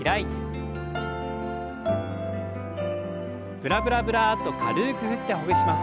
ブラブラブラッと軽く振ってほぐします。